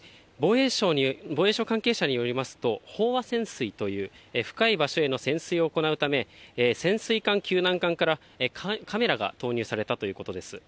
防衛省関係者によりますと、飽和潜水という深い場所への潜水を行うため、潜水艦救難艦からカメラが投入されたということです。